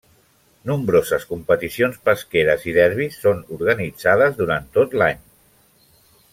Nombroses competicions pesqueres i derbis són organitzades durant tot l'any.